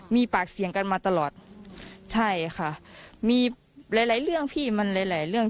มีปากเสียงกันมาตลอดใช่ค่ะมีหลายหลายเรื่องพี่มันหลายหลายเรื่อง